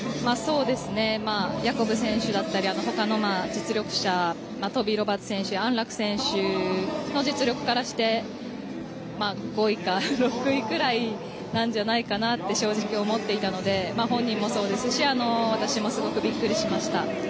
ヤコブ選手だったり他の実力者トビー・ロバーツ選手安楽選手の実力からして５位か６位くらいなんじゃないかなって正直思っていたので本人もそうですし私も、すごくびっくりしました。